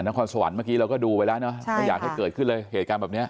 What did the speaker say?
นครสวรรค์เมื่อกี้เราก็ดูไปแล้วเนอะไม่อยากให้เกิดขึ้นเลยเหตุการณ์แบบนี้